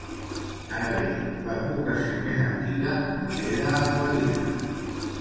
Ara bé, l'advocació més antiga no queda aclarida.